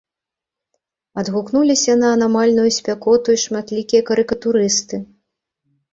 Адгукнуліся на анамальную спякоту і шматлікія карыкатурысты.